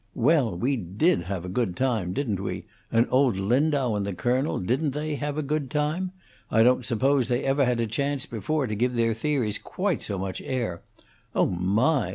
Well, we did have a good time, didn't we? And old Lindau and the colonel, didn't they have a good time? I don't suppose they ever had a chance before to give their theories quite so much air. Oh, my!